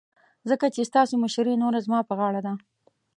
ځکه چې ستاسو مشرې نوره زما په غاړه ده.